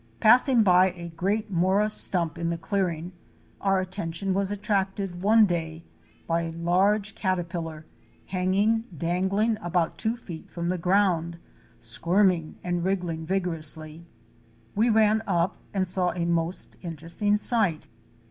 Passing by a great mora stump in the clearing, our atten tion was attracted one day by a large caterpillar hanging dangling about two feet from the ground, squirming and wriggling vigorously. We ran up and saw a most interesting sight.